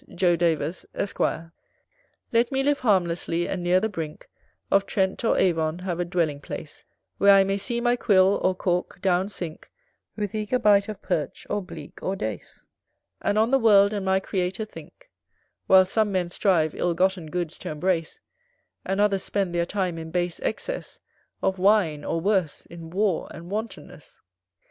Jo. Davors, Esq. Let me live harmlessly, and near the brink Of Trent or Avon have a dwelling place Where I may see my quill, or cork, down sink With eager bite of Perch, or Bleak, or Dace; And on the world and my Creator think: Whilst some men strive ill gotten goods t' embrace; And others spend their time in base excess Of wine, or worse, in war and wantonness.